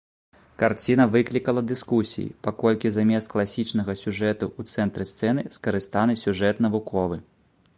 Карціна выклікала дыскусіі, паколькі замест класічнага сюжэту ў цэнтры сцэны скарыстаны сюжэт навуковы.